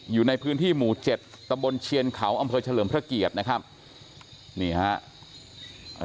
อยู่ในพื้นที่หมู่เจ็ดตะบนเชียนเขาอำเภอเฉลิมพระเกียรตินะครับนี่ฮะ